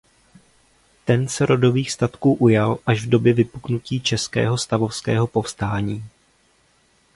Ten se rodových statků ujal až v době vypuknutí českého stavovského povstání.